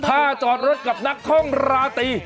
ท่าจอดรถกับนักคล่องลาตี